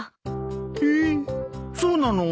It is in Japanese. えっそうなの？